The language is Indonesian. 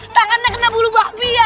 tak akan terkena bulu babi ya